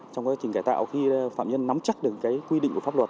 trong quá trình cải tạo khi phạm nhân nắm chắc được cái quy định của pháp luật